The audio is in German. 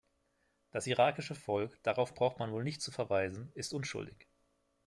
Das irakische Volk, darauf braucht man wohl nicht zu verweisen, ist unschuldig.